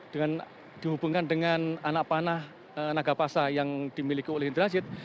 dengan dihubungkan dengan anak panah nagapasa yang dimiliki oleh indrajit